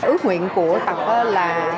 ước nguyện của bà ấy là